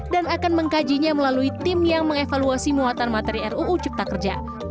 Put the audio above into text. dan akan mengkajinya melalui tim yang mengevaluasi muatan materi ruu cipta kerja